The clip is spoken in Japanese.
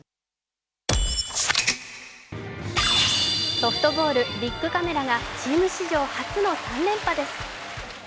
ソフトボール・ビックカメラがチーム史上発表の３連覇です。